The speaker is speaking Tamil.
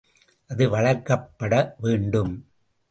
அது வளர்க்கப்பட வேண்டும்.